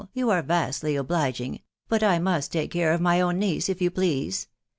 you are vastly obliging ; but I must take care of my own niece, if you please